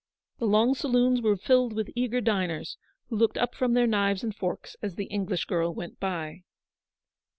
The long saloons were filled with eager diners, who looked up from their knives and forks as the English girrwent by.